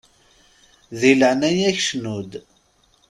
Di leɛnaya-k cnu-d!